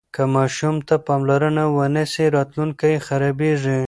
که ماشوم ته پاملرنه ونه سي راتلونکی یې خرابیږي.